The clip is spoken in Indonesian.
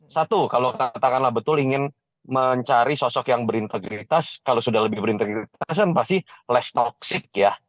satu kalau katakanlah betul ingin mencari sosok yang berintegritas kalau sudah lebih berintegritas kan pasti less toxic ya